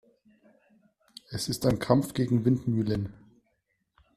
Es ist ein Kampf gegen Windmühlen.